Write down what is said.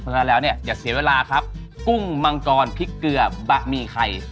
เพราะฉะนั้นแล้วเนี่ยอย่าเสียเวลาครับกุ้งมังกรพริกเกลือบะหมี่ไข่